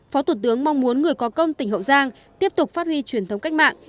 phó thủ tướng mong muốn người có công tỉnh hậu giang tiếp tục phát huy truyền thống cách mạng